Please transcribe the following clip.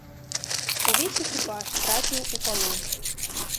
Увесь экіпаж трапіў у палон.